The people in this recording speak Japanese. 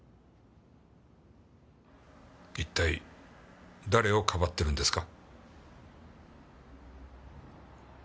一体誰を庇ってるんですか？